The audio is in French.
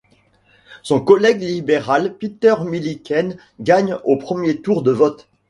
Son collègue libéral Peter Milliken gagne au premier tour de vote.